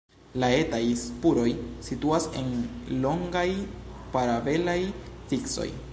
La etaj spuroj situas en longaj, paralelaj vicoj.